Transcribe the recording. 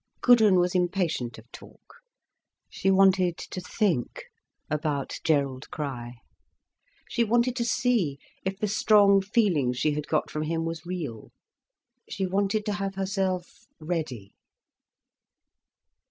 Gudrun was impatient of talk. She wanted to think about Gerald Crich. She wanted to see if the strong feeling she had got from him was real. She wanted to have herself ready.